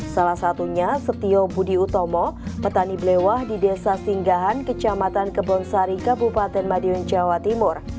salah satunya setio budi utomo petani belewah di desa singgahan kecamatan kebonsari kabupaten madiun jawa timur